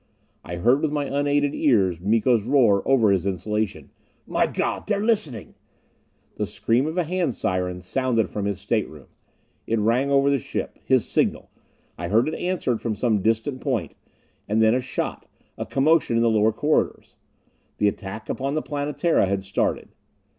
I heard with my unaided ears Miko's roar over his insulation: "By God, they're listening!" The scream of a hand siren sounded from his stateroom. It rang over the ship. His signal! I heard it answered from some distant point. And then a shot; a commotion in the lower corridors.... The attack upon the Planetara had started!